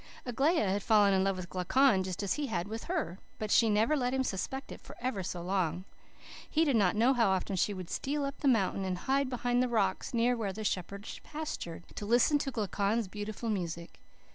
"Aglaia had fallen in love with Glaucon just as he had with her. But she never let him suspect it for ever so long. He did not know how often she would steal up the mountain and hide behind the rocks near where the sheep pastured, to listen to Glaucon's beautiful music.